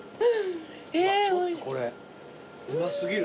ちょっとこれうま過ぎる。